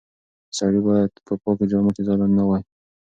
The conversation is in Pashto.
سړی باید په پاکو جامو کې ظالم نه وای.